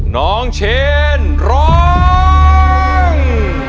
น้องเชนร้อง